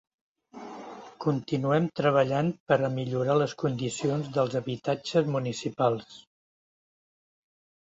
Continuem treballant per a millorar les condicions dels habitatges municipals.